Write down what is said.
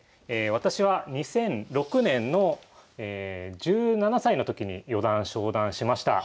私は２００６年の１７歳の時に四段昇段しました。